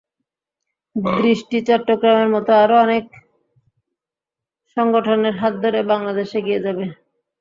দৃষ্টি চট্টগ্রামের মতো আরও অনেক সংগঠনের হাত ধরে বাংলাদেশ এগিয়ে যাবে।